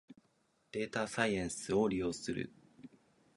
データサイエンスを利用する